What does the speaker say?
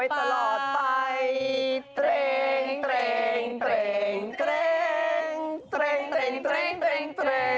เตร๊ง